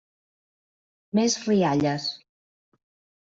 Més rialles.